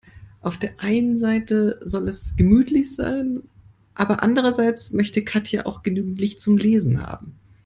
Auf der einen Seite soll es gemütlich sein, aber andererseits möchte Katja auch genügend Licht zum Lesen haben.